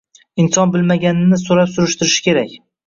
Inson bilmaganini so‘rab-surishtirishi kerak.